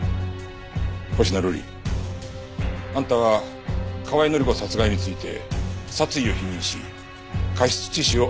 星名瑠璃あんたは河合範子殺害について殺意を否認し過失致死を主張した。